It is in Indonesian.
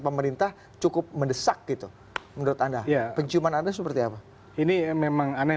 pemerintah cukup mendesak gitu menurut anda penciuman anda seperti apa ini memang aneh